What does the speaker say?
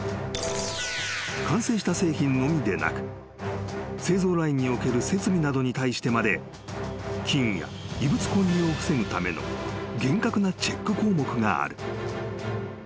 ［完成した製品のみでなく製造ラインにおける設備などに対してまで菌や異物混入を防ぐための厳格なチェック項目がある］